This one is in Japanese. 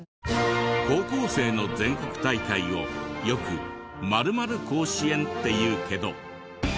高校生の全国大会をよく○○甲子園っていうけど。